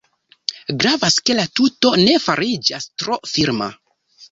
Gravas ke la tuto ne fariĝas tro firma.